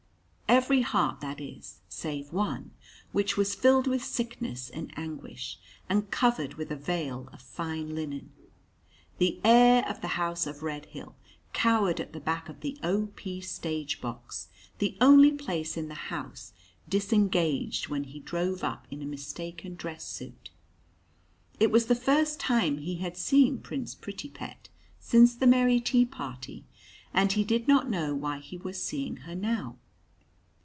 Every heart, that is, save one, which was filled with sickness and anguish, and covered with a veil of fine linen. The heir of the house of Redhill cowered at the back of the O.P. stage box the only place in the house disengaged when he drove up in a mistaken dress suit. It was the first time he had seen Prince Prettypet since the merry tea party, and he did not know why he was seeing her now.